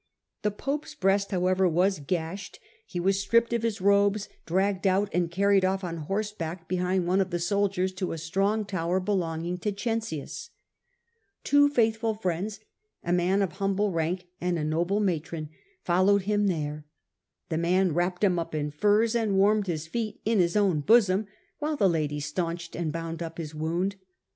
The pope's breast, however, was gashed, he C.H. I Digitized by VjOOQIC 1 14 HiLDEBRAND was stripped 'of his robes, dragged out> and carried \)ff on horseback behind one of the soldiers to a strong tower belonging to Cencins. Two faithful friends, a man of humble rank and a noble matron, followed him there ; the man wrapped him in furs and warmed his feet in his own bosom, while the lady staunched and bound up his wound.